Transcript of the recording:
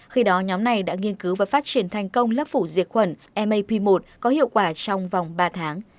khi đó nhóm này đã nghiên cứu và phát triển thành công lớp phủ diệt khuẩn ap một có hiệu quả trong vòng ba tháng